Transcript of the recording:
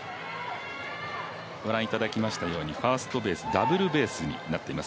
ご覧いただきましたようにファーストベースダブルベースとなっています。